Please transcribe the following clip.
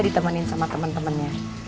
ditemenin sama temen temennya